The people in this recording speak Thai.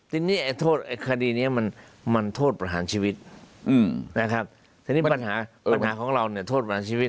ทีนี้คดีนี้มันโทษประหารชีวิตนะครับแต่นี่ปัญหาของเราเนี่ยโทษประหารชีวิต